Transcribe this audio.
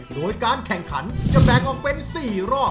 โดยการแข่งขันจะแบ่งออกเป็น๔รอบ